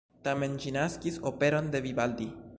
Tamen ĝi naskis operon de Vivaldi.